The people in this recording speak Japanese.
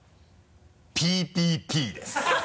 「ＰＰＰ」です。